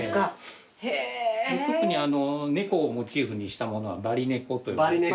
特に猫をモチーフにしたものはバリネコと。